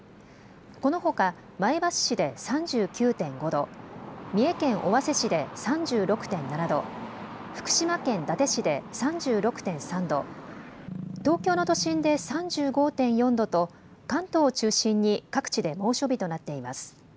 このほか前橋市で３９．５度、三重県尾鷲市で３６．７度、福島県伊達市で３６．３度、東京の都心で３５．４度と関東を中心に各地で猛暑日となっています。